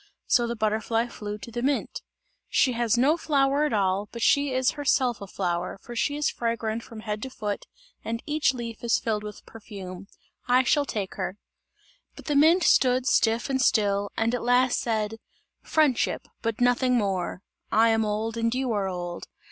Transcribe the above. So the butterfly flew to the mint. "She has no flower at all, but she is herself a flower, for she is fragrant from head to foot and each leaf is filled with perfume. I shall take her!" But the mint stood stiff and still, and at last said: "Friendship but nothing more! I am old and you are old!